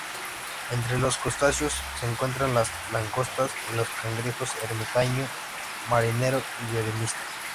Entre los crustáceos se encuentran las langostas y los cangrejos ermitaño, marinero y violinista.